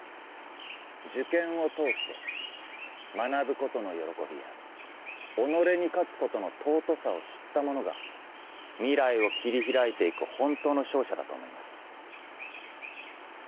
受験を通して学ぶことの喜びや己に勝つことの尊さを知った者が未来を切り開いて行く本当の勝者だと思います。